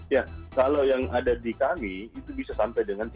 ya kalau yang ada di kami itu bisa sampai dengan tiga puluh